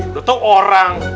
udah tau orang